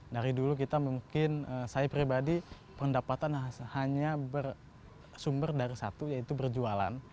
dari dulu kita mungkin saya pribadi pendapatan hanya bersumber dari satu yaitu berjualan